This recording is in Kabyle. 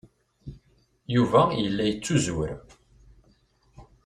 Yuba yella yettuzur.